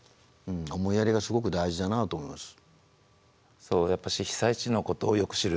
思いやりがすごく大事だなと思います。